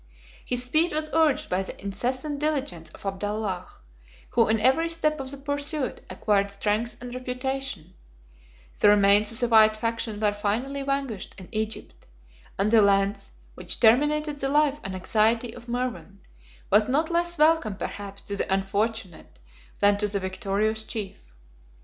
37 His speed was urged by the incessant diligence of Abdallah, who in every step of the pursuit acquired strength and reputation: the remains of the white faction were finally vanquished in Egypt; and the lance, which terminated the life and anxiety of Mervan, was not less welcome perhaps to the unfortunate than to the victorious chief.